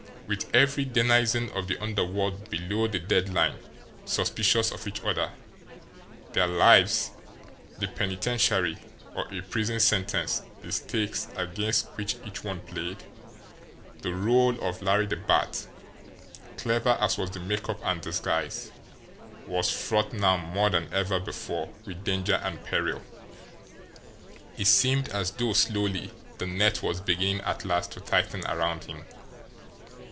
With every denizen of the underworld below the dead line suspicious of each other, their lives, the penitentiary, or a prison sentence the stakes against which each one played, the role of Larry the Bat, clever as was the make up and disguise, was fraught now more than ever before with danger and peril. It seemed as though slowly the net was beginning at last to tighten around him.